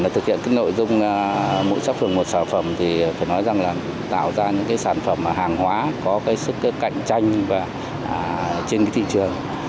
thực hiện nội dung mỗi xã phường một sản phẩm thì phải nói rằng là tạo ra những sản phẩm hàng hóa có sức cạnh tranh trên thị trường